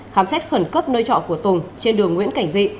khám xét khẩn cấp nơi trọ của tùng trên đường nguyễn cảnh dị